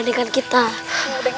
tidak ada yang berani